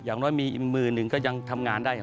อย่างน้อยมีอีกมือหนึ่งก็ยังทำงานได้